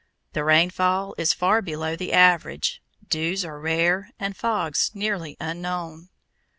The rainfall is far below the average, dews are rare, and fogs nearly unknown.